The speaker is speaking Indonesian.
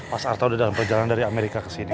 mas arta udah dalam perjalanan dari amerika kesini